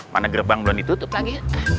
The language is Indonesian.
mana gerbang belum ditutup lagi